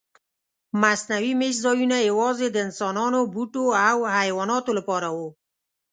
مصنوعي میشت ځایونه یواځې د انسانانو، بوټو او حیواناتو لپاره وو.